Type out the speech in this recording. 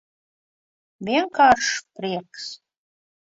Vienkāršs prieks.